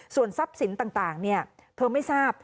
ส่วนทรัพย์สินต่างเธอไม่ทราบ